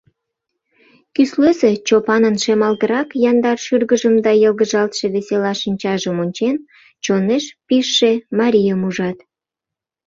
Кӱслезе Чопанын шемалгырак яндар шӱргыжым да йылгыжалтше весела шинчажым ончен, чонеш пижше марийым ужат.